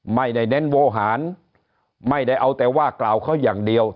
ไม่ได้เน้นโวหารไม่ได้เอาแต่ว่ากล่าวเขาอย่างเดียว